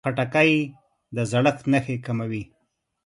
خټکی د زړښت نښې کموي.